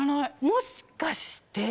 もしかして。